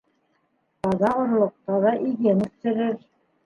Таҙа орлоҡ таҙа иген үҫтерер